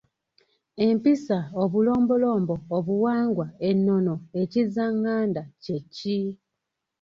Empisa, obulombolombo, obuwangwa, ennono, ekizzaŋŋanda kye ki?